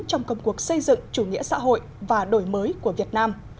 trong công cuộc xây dựng chủ nghĩa xã hội và đổi mới của việt nam